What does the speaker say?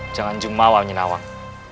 jangan jumawa menyin awang